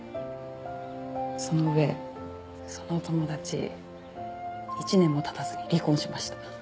その上その友達１年も経たずに離婚しました。